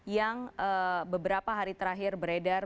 yang beberapa hari terakhir beredar